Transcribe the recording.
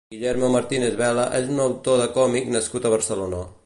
Guillermo Martínez-Vela és un autor de còmic nascut a Barcelona.